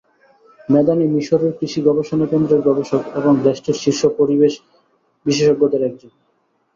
মেদানি মিসরের কৃষি গবেষণাকেন্দ্রের গবেষক এবং দেশটির শীর্ষ পরিবেশ বিশেষজ্ঞদের একজন।